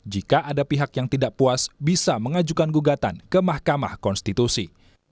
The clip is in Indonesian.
jika ada pihak yang tidak puas bisa mengajukan gugatan ke mahkamah konstitusi